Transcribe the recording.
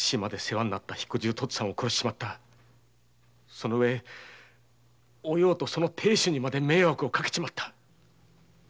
その上おようとその亭主にまで迷惑をかけちまった。